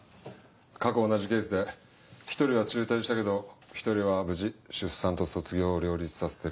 過去同じケースで１人は中退したけど１人は無事出産と卒業を両立させてる。